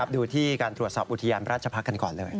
ดูที่การตรวจสอบอุทยานราชพักษ์กันก่อนเลย